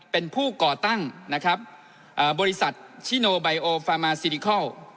เป็นผู้ก่อตั้งนะครับบริษัทชิโนไบโอฟามาซิริคอล